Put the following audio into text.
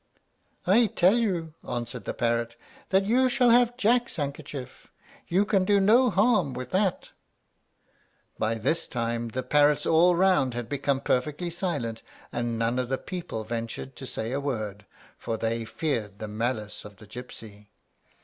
"I tell you," answered the parrot, "that you shall have Jack's handkerchief; you can do no harm with that." By this time the parrots all around had become perfectly silent, and none of the people ventured to say a word, for they feared the malice of the gypsy.